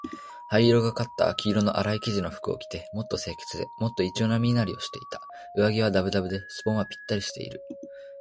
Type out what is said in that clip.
灰色がかった黄色のあらい生地の服を着て、もっと清潔で、もっと一様な身なりをしていた。上衣はだぶだぶで、ズボンはぴったりしている。